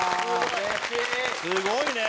すごいね！